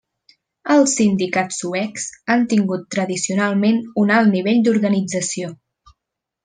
Els sindicats suecs han tingut tradicionalment un alt nivell d'organització.